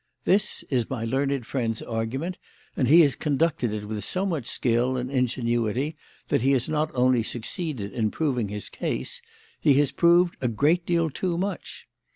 This is my learned friend's argument, and he has conducted it with so much skill and ingenuity that he has not only succeeded in proving his case; he has proved a great deal too much.